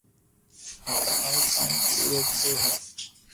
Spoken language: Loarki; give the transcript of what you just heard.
۾ تمارو ڪاو دوھ ڪريو ھي